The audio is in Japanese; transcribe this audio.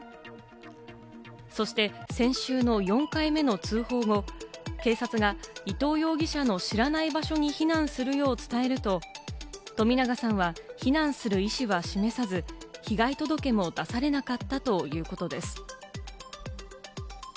そして先週の４回目の通報後、警察が伊藤容疑者の知らない場所に避難するよう伝えると、冨永さんは避難する意思は示さず、被害届も出されなかったということです。